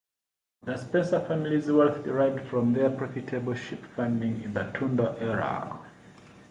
The Spencer family's wealth derived from their profitable sheep farming in the Tudor era.